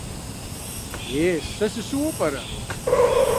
Е сэ сыщыуэу пӏэрэ?